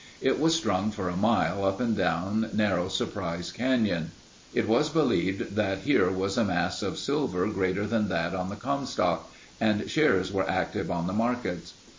It was strung for a mile up and down narrow Surprise Canyon. It was believed that here was a mass of silver greater than that on the Comstock and shares were active on the markets.